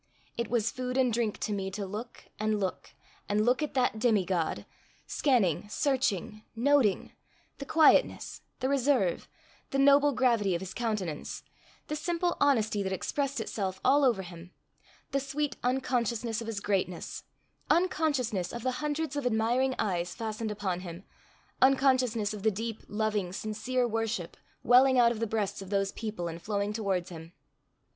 It was food and drink to me to look, and look, and look at that demigod; scanning, searching, noting: the quietness, the reserve, the noble gravity of his countenance; the simple honesty that expressed itself all over him; the sweet unconsciousness of his greatness—unconsciousness of the hundreds of admiring eyes fastened upon him, unconsciousness of the deep, loving, sincere worship welling out of the breasts of those people and flowing toward him.